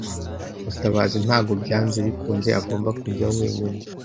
Mutabazi ntabwo byanze bikunze agomba kujyayo wenyine.